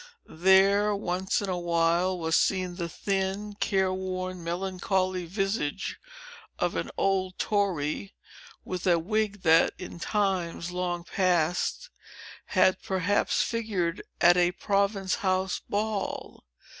There, once in a while, was seen the thin, care worn, melancholy visage of an old tory, with a wig that, in times long past, had perhaps figured at a Province House ball.